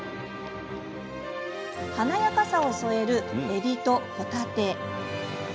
華やかさを添えるえびとほたて。